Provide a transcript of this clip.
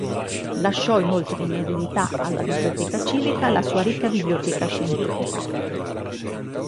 Lasciò inoltre in eredità alla Biblioteca Civica la sua ricca biblioteca scientifica.